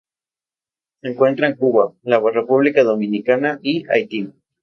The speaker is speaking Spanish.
Se encuentra en Cuba, la República Dominicana, y Haití.